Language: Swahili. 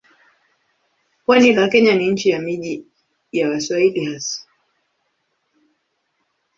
Pwani la Kenya ni nchi ya miji ya Waswahili hasa.